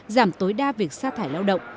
giảm tối đa việc xa thải lao động